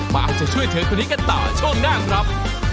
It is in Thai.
มาเอาใจช่วยเธอคนนี้กันต่อช่วงหน้าครับ